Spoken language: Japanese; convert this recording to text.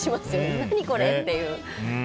何これっていう。